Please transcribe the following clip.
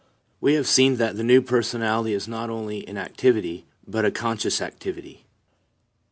We have seen that the new personality is not only an activity, but a con scious activity.